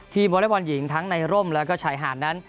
วอเล็กบอลหญิงทั้งในร่มแล้วก็ชายหาดนั้น